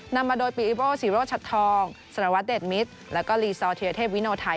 นำมาโดยปีอิโบสีโรชัดทองสารวัตรเดชมิตรแล้วก็ลีซอร์เทียเทพวิโนไทย